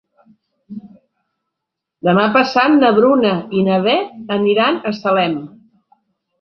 Demà passat na Bruna i na Beth aniran a Salem.